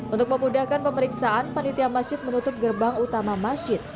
untuk memudahkan pemeriksaan panitia masjid menutup gerbang utama masjid